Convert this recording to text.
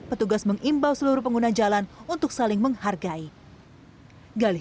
petugas mengimbau seluruh pengguna jalan untuk saling menghargai